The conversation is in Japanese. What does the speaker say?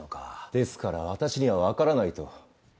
ですから私には分からないと。